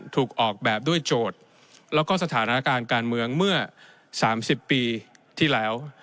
ถูกออกแบบด้วยโจทย์แล้วก็สถานการณ์การเมืองเมื่อ๓๐ปีที่แล้ว